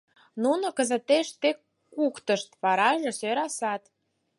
Нуно кызытеш тек куктышт, вараже сӧрасат...